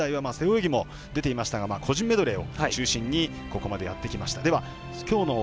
中学時代は背泳ぎもやっていましたが個人メドレーを中心にここまでやってきました。